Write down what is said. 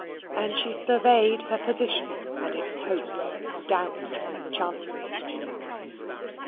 And she surveyed her position, and its hopes, doubts, and chances.